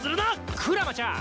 クラマちゃん